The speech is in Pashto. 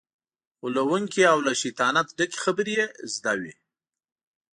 غولونکې او له شیطانت ډکې خبرې یې زده وي.